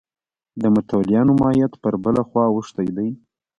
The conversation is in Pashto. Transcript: د متولیانو ماهیت پر بله خوا اوښتی دی.